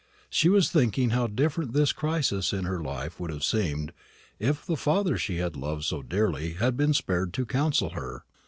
She was thinking how different this crisis in her life would have seemed if the father she had loved so dearly had been spared to counsel her.